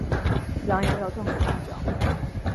扬言要断手断脚